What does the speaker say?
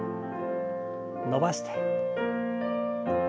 伸ばして。